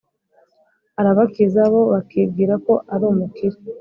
arabakiza, bo bakibwira ko, arumukire